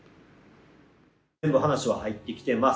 全部話は入ってきてます。